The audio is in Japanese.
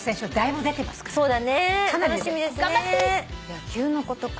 野球のことか。